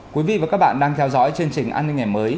quý vị và các bạn đang theo dõi chương trình an ninh ngày mới